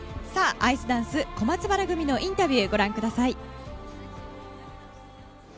アイスダンス小松原組のインタビューをご覧ください。